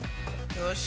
よし。